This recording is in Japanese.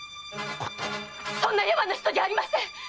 そんなやわな人じゃありません‼